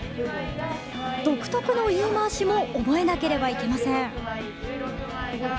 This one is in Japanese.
独特の言い回しも覚えなければいけません。